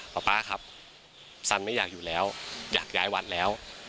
ป๊าครับสันไม่อยากอยู่แล้วอยากย้ายวัดแล้ว